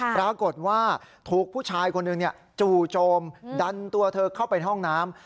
ปรากฏว่าถูกผู้ชายคนหนึ่งจู่โจมดันตัวเธอเข้าไปห้องน้ำ